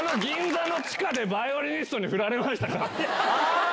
銀座の地下でバイオリニストにフラれましたから。